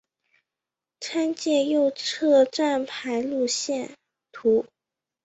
参见右侧站牌路线图。